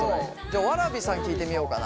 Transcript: じゃあわらびさん聞いてみようかな。